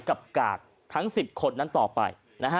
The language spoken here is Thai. กับกากทั้งสิบคนนั้นต่อไป